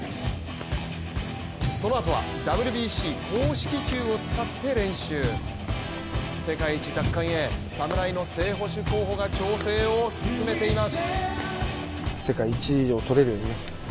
そのあとはＷＢＣ公式球を使って練習世界一奪還へ侍の正捕手候補が調整を進めています。